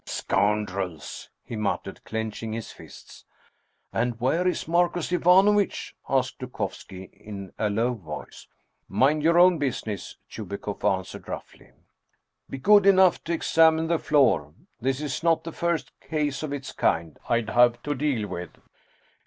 " Scoundrels !" he muttered, clenching his fists. " And where is Marcus Ivanovitch ?" asked Dukovski in a low voice. " Mind your own business !" Chubikoff answered roughly. " Be good enough to examine the floor ! This is not the first case of the kind I have had to deal with